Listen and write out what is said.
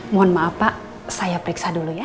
mohon maaf pak saya periksa dulu ya